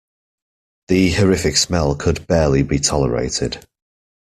The horrific smell could barely be tolerated.